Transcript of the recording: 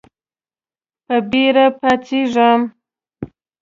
په بېړه پاڅېږم .